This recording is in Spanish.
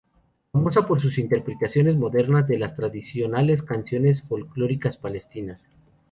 Famosa por sus interpretaciones modernas de las tradicionales canciones folclóricas palestinas.